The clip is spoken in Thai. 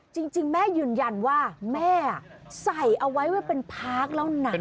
จริงแม่ยืนยันว่าแม่ใส่เอาไว้ว่าเป็นพาร์คแล้วนะ